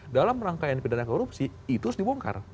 dalam rangkaian pidana korupsi itu harus dibongkar